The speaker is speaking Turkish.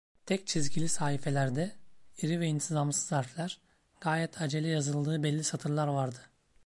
Tek çizgili sahifelerde, iri ve intizamsız harfler, gayet acele yazıldığı belli satırlar vardı.